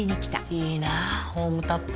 いいなホームタップ。